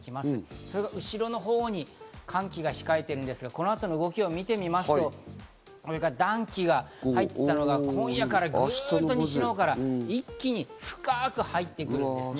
これが後の方に寒気が控えているんですが、この後の動きを見てみますと、これが暖気が入っていたのが、今夜からグッと西の方から一気に深く入って来るんですね。